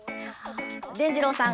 でんじろうさん